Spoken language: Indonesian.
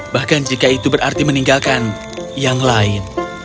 bahkan jika itu berarti meninggalkan yang lain